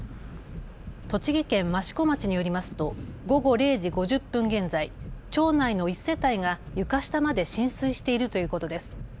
栃木県益子町によりますと午後０時５０分現在、町内の１世帯が床下まで浸水しているということです。